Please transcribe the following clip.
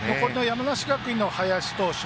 山梨学院の林投手